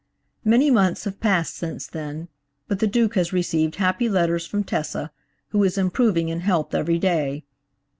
Many months have passed since then, but the Duke has received happy letters from Tessa, who is improving in health every day.